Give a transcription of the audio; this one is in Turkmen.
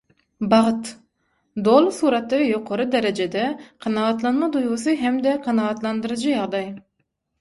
Bagt - Doly suratda we ýokary derejede kanagatlanma duýgusy hem-de kanagatlandyryjy ýagdaý.